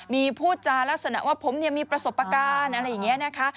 มีพูดจารักษณะว่าผมมีประสบการณ์อะไรอย่างนี้นะคะ